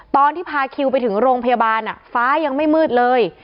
ตอนที่พาคิวไปถึงโรงพยาบาลฟ้ายังไม่มืดเลย